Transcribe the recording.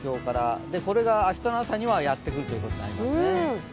これが明日の朝にはやってくるということになりますね。